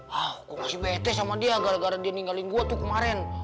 hah kok masih betes sama dia gara gara dia ninggalin gue tuh kemaren